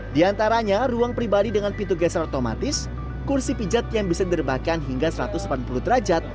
di antaranya ruang pribadi dengan pintu geser otomatis kursi pijat yang bisa direbahkan hingga satu ratus delapan puluh derajat